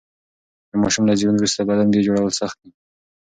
د ماشوم له زېږون وروسته بدن بیا جوړول سخت و.